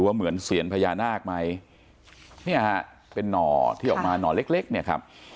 เหมือนเสียนพญานาคไหมเนี่ยฮะเป็นหน่อที่ออกมาหน่อเล็กเล็กเนี่ยครับ